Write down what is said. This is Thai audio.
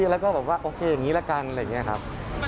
แล้วก็แบบว่าโอเคอย่างนี้ละกันอะไรอย่างนี้ครับ